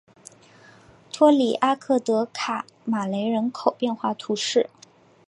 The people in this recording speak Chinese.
托里阿克德卡马雷人口变化图示